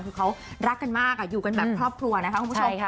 คือเขารักกันมากอยู่กันแบบครอบครัวนะคะคุณผู้ชม